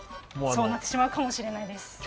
そうなってしまうかもしれないです。